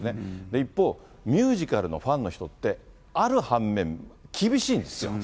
一方、ミュージカルのファンの人って、ある反面、厳しいんですよ。